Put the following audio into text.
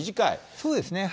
そうですね。